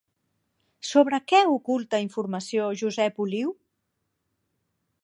Sobre què oculta informació Josep Oliu?